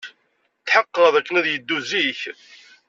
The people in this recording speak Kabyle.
Tḥeqqeɣ dakken ad yeddu zik.